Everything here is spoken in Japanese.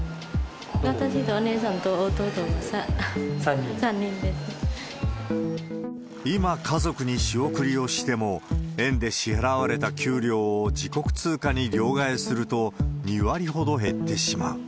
私とお姉さんと弟、今、家族に仕送りをしても、円で支払われた給料を自国通貨に両替すると、２割ほど減ってしまう。